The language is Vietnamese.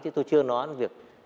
chứ tôi chưa nói việc